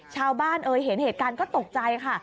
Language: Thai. เอ้ยเห็นเหตุการณ์ก็ตกใจค่ะ